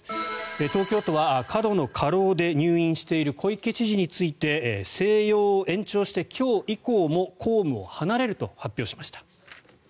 東京都は過度の過労で入院している小池知事について静養を延長して今日以降も公務を離れると発表しました。